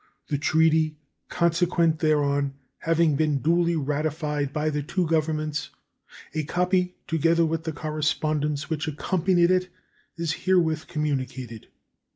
The treaty consequent thereon having been duly ratified by the two Governments, a copy, together with the correspondence which accompanied it, is herewith communicated.